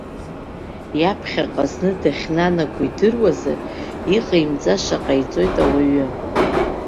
Иаԥхьаҟа зны дахьнанаго идыруазар, иҟаимҵаша ҟаиҵоит ауаҩы.